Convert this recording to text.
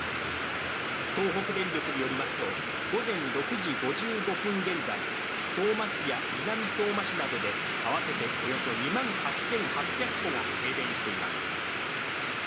東北電力によりますと午前６時５５分現在、相馬市や南相馬市などで、あわせておよそ２万８８００戸が停電しています。